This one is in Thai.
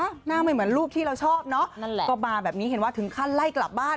หน้าไม่เหมือนลูกที่เราชอบเนอะนั่นแหละก็มาแบบนี้เห็นว่าถึงขั้นไล่กลับบ้าน